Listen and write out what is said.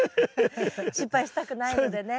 失敗したくないのでね。